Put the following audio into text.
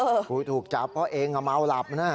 ครูถูกจับเพราะเองเมาหลับนะ